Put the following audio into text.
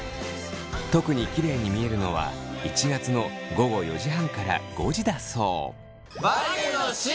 特にきれいに見えるのは１月の午後４時半から５時だそう。